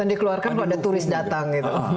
dan dikeluarkan kalau ada turis datang